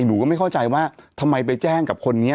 หนูก็ไม่เข้าใจว่าทำไมไปแจ้งกับคนนี้